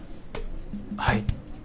はい。